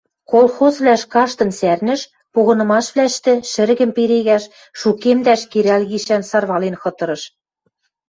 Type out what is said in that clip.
Колхозвлӓш каштын сӓрнӹш, погынымашвлӓштӹ шӹргӹм перегӓш, шукемдӓш керӓл гишӓн сарвален хытырыш.